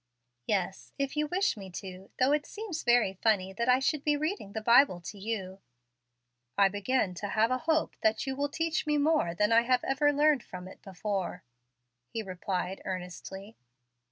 "Yes, if you wish me to, though it seems very funny that I should be reading the Bible to you." "I begin to have a hope that you will teach me more than I ever learned from it before," he replied earnestly.